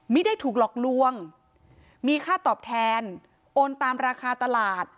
ไม่ได้ถูกหลอกลวงมีค่าตอบแทนโอนตามราคาตลาด